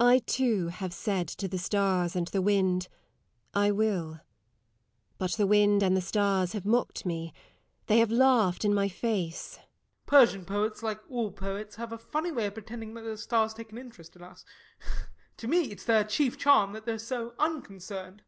"I too have said to the stars and the wind, I will. But the wind and the stars have mocked me they have laughed in my face...." SIR GEOFFREY. [A little uncomfortable.] Persian poets, like all poets, have a funny way of pretending that the stars take an interest in us. To me, it's their chief charm that they're so unconcerned.